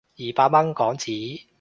二百蚊港紙